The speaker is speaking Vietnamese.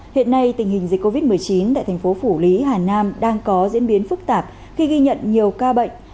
hiện nay tình hình dịch covid một mươi chín tại thành phố phủ lý hà nam đang có diễn biến phức tạp khi ghi nhận nhiều ca bệnh